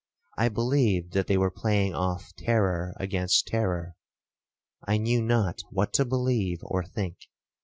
I believed that they were playing off terror against terror; I knew not what to believe or think.